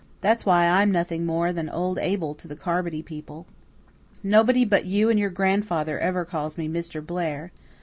That's why I'm nothing more than 'Old Abel' to the Carmody people. Nobody but you and your grandfather ever calls me 'Mr. Blair.